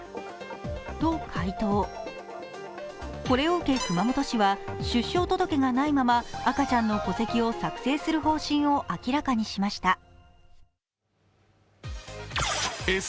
これを受け熊本市は出生届がないまま赤ちゃんの戸籍を作成する方針を明らかにしました。